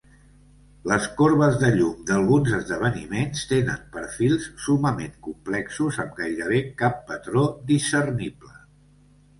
Les corbes de llum d'alguns esdeveniments tenen perfils summament complexos amb gairebé cap patró discernible.